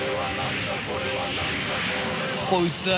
こいつぁ